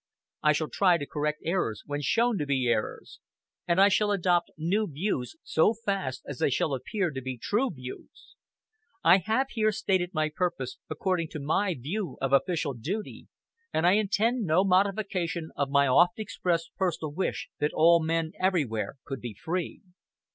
I shall try to correct errors when shown to be errors, and I shall adopt new views so fast as they shall appear to be true views. I have here stated my purpose according to my view of official duty, and I intend no modification of my oft expressed personal wish that all men everywhere could be free."